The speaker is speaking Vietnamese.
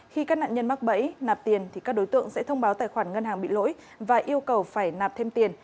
khi các nạn nhân mắc bẫy nạp tiền thì các đối tượng sẽ thông báo tài khoản ngân hàng bị lỗi và yêu cầu phải nạp thêm tiền